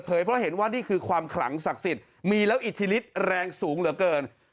เพราะเห็นว่านี่คือความขลังศักดิ์สิทธิ์มีแล้วอิทธิฤทธิแรงสูงเหลือเกิน